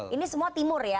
ini semua timur ya